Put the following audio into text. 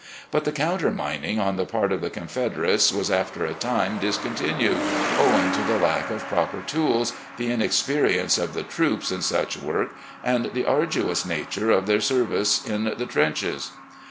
... But the counter mining on the part of the Confederates was after a time discontinued, owing to the lack of proper tools, the inexperience of the troops in such work, and the arduous nature of their service in the trenches."